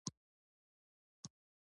مسئول مینه پال ته څو پلا خبره کړې وه.